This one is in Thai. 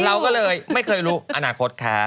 เราก็เลยไม่เคยรู้อนาคตเขา